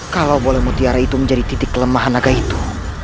kalau boleh mutiara itu menjadi titik kelemahan naga itu